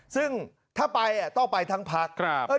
ซึ่งถ้าไปต้องไปทั้งพัก